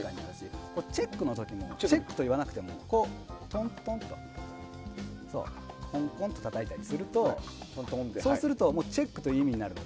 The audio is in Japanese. チェックの時もチェックと言わなくてもトントンってたたいたりするとそうするとチェックという意味になります。